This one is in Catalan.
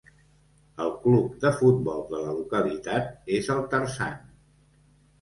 El club de futbol de la localitat és el Tarzan.